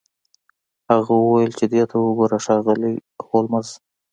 هغه وویل چې دې ته وګوره ښاغلی هولمز